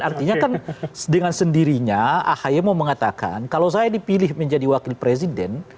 artinya kan dengan sendirinya ahy mau mengatakan kalau saya dipilih menjadi wakil presiden